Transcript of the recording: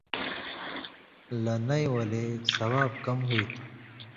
لہ نَیں ولے ثواب کم ہُوئ تھُو